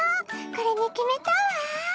これに決めたわ！